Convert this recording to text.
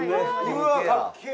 うわあかっけえ！